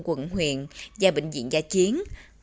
quận huyện và bệnh viện gia chiến